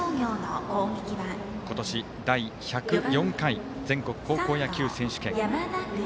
今年、第１０４回全国高校野球選手権。